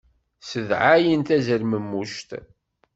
Ssedɛɛayen tazemmermuct.